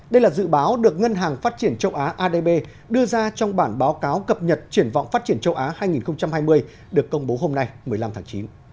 đây là dự báo được ngân hàng phát triển châu á adb đưa ra trong bản báo cáo cập nhật triển vọng phát triển châu á hai nghìn hai mươi được công bố hôm nay một mươi năm tháng chín